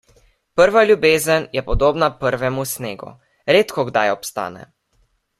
Prva ljubezen je podobna prvemu snegu; redkokdaj obstane.